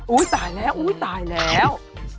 อุ๊ยตายแล้ว